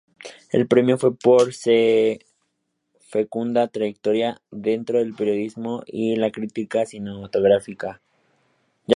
El premio fue por su fecunda trayectoria dentro del periodismo y la crítica cinematográfica.